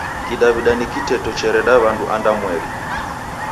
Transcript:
Kidaw'ida ni kiteto chereda w'andu andwamweri.